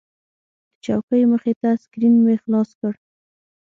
د چوکۍ مخې ته سکرین مې خلاص کړ.